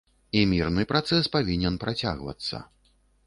І мірны працэс павінен працягвацца.